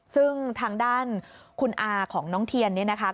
ซึ่งทางด้านคุณอาของน้องเทียนเนี่ยนะคะ